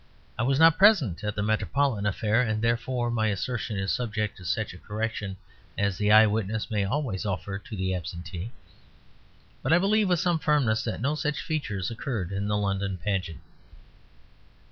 I was not present at the Metropolitan affair, and therefore my assertion is subject to such correction as the eyewitness may always offer to the absentee. But I believe with some firmness that no such features occurred in the London pageant.